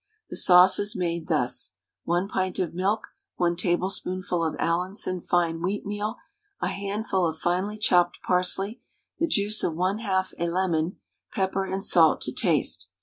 The sauce is made thus: 1 pint of milk, 1 tablespoonful of Allinson fine wheatmeal, a handful of finely chopped parsley, the juice of 1/2 a lemon, pepper and salt to taste.